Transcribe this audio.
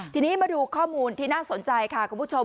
ทีนี้มาดูข้อมูลที่น่าสนใจค่ะคุณผู้ชม